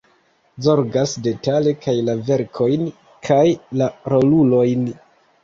Zorgas detale kaj la verkojn kaj la rolulojn.